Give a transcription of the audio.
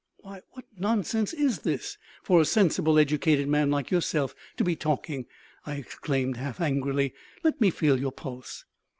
"Why, what nonsense is this for a sensible, educated man like yourself to be talking!" I exclaimed half angrily. "Let me feel your pulse."